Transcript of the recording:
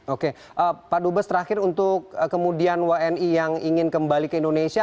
oke pak dubes terakhir untuk kemudian wni yang ingin kembali ke indonesia